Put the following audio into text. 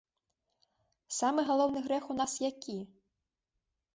Самы галоўны грэх у нас які?